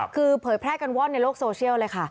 คือเผยแพร่กันว่อนในโลกโซเชียลเลยค่ะ